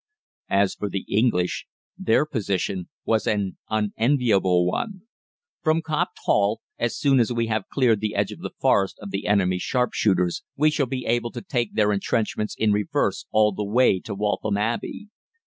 "As for the English, their position was an unenviable one. From Copped Hall as soon as we have cleared the edge of the Forest of the enemy's sharpshooters we shall be able to take their entrenchments in reverse all the way to Waltham Abbey.